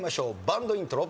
バンドイントロ。